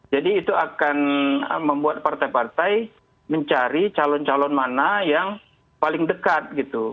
jadi itu akan membuat partai partai mencari calon calon mana yang paling dekat gitu